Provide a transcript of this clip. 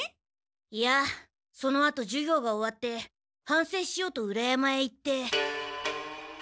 いやそのあと授業が終わって反省しようと裏山へ行って。